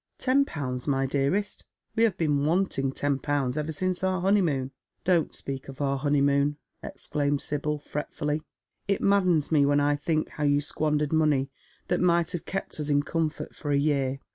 " Ten pounds, my dearest 1 We have been wanting ten pounds ever since our honeymoon." " Don't speak of our honeymoon," exclaimed Sibyl, fretfully. "It maddens me when I think how you squandered money that might have kept us in comfort for a year."